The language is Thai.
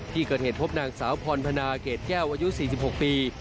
ที่เกิดเหตุพบนางสาวพรพนาเกรดแก้วอายุ๔๖ปี